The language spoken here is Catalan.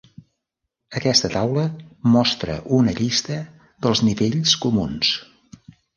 Aquesta taula mostra una llista dels nivells comuns.